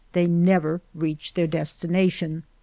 They never reached their destination.